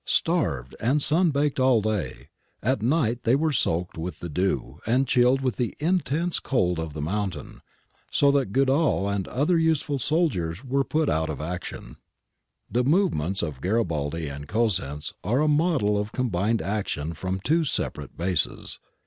Starved and sun baked all day, at night they were soaked with the dew and chilled with the intense cold of the mountain, so that Goodall and other useful soldiers were put out of action.^ The movements of Garibaldi and Cosenz are a model of combined action from two separate bases.